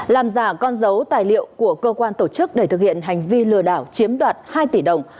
làm giả con dấu tài liệu của cơ quan tổ chức để thực hiện hành vi lừa đảo chiếm đoạt hai tỷ đồng